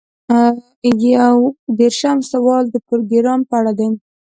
یو دېرشم سوال د پروګرام په اړه دی.